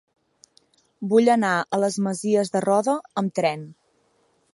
Vull anar a les Masies de Roda amb tren.